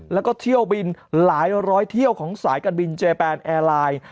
แล้วก็เที่ยวบินหลายร้อยเที่ยวของสายการบินเจแปนแอร์ไลน์